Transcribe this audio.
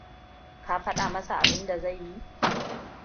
Ka faɗa masa abinda zai yi?